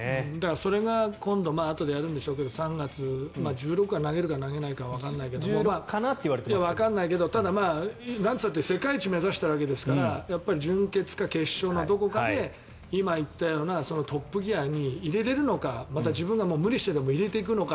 それが今度あとでやるんでしょうけど３月１６日は投げるかどうかわからないけどただ、なんと言っても世界一を目指しているわけですからやっぱり準決勝か決勝のどこかで今言ったようなトップギアに入れられるのか無理してでも入れていくのか